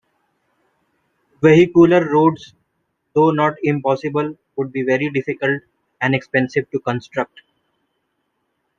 Vehicular roads, though not impossible, would be very difficult and expensive to construct.